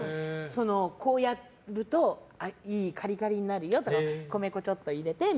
こうやるとカリカリになるよとか米粉をちょっと入れて。